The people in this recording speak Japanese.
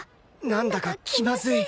なんだか気まずい